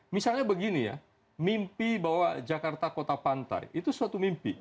misalnya begini ya mimpi bahwa jakarta kota pantai itu suatu mimpi